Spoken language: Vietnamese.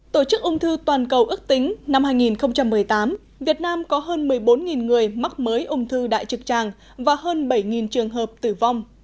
tổ chức ung thư toàn cầu ước tính năm hai nghìn một mươi tám việt nam có hơn một mươi bốn người mắc mới ung thư đại trực tràng và hơn bảy trường hợp tử vong